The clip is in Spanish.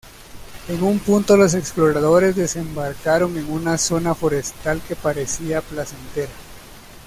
En un punto los exploradores desembarcaron en una zona forestal que parecía placentera.